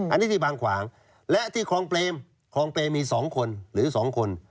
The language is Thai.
อันนี้ที่บางขวางและที่คลองเปรมคลองเปรมมี๒คนหรือ๒คน